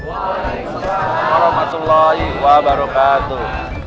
assalamualaikum warahmatullahi wabarakatuh